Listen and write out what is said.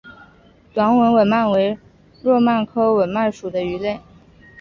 短吻吻鳗为糯鳗科吻鳗属的鱼类。